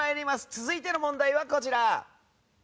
続いての問題はこちら。